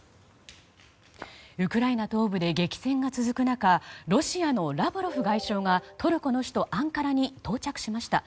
ウクライナ東部で激戦が続く中ロシアのラブロフ外相がトルコの首都アンカラに到着しました。